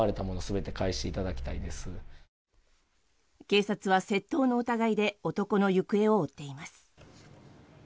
警察は窃盗の疑いで男の行方を追っています。